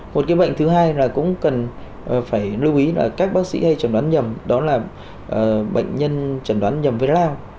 một cái bệnh thứ hai là cũng cần phải lưu ý là các bác sĩ hay chuẩn đoán nhầm đó là bệnh nhân trần đoán nhầm với lao